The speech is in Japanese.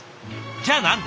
じゃあ何で？